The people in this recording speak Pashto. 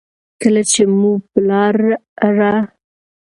کله چې مو په لاره